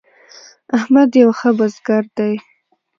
احمد یو ښه بزګر دی.